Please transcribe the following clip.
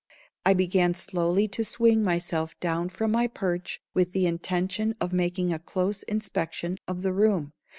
I began slowly to swing myself down from my perch with the intention of making a close inspection of the room.